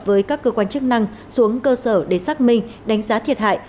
với các cơ quan chức năng xuống cơ sở để xác minh đánh giá thiệt hại